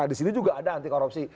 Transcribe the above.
di sini juga ada anti korupsi